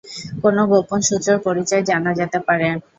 কোনো গোপন শত্রুর পরিচয় জানা যেতে পারে।